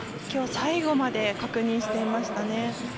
今日、最後まで確認していましたね。